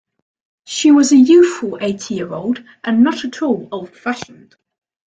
She was a youthful eighty-year-old, and not at all old-fashioned.